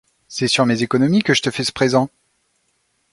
C'est sur mes économies que je te fais ce présent !